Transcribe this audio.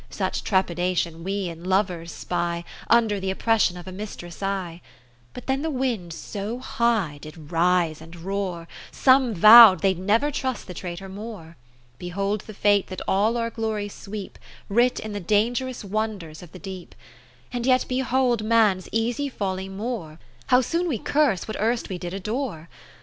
Such trepidation we in lovers spy Under th' oppression of a mistress' eye. But then the wind so high did rise and roar, Some vow'd they'd never trust the traitor more. Behold the fate that all our glories sweep, Writ in the dangerous wonders of the deep : And yet behold man's easy folly more. How soon we curse what erst we did adore.